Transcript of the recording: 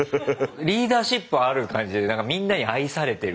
リーダーシップある感じで何かみんなに愛されてる。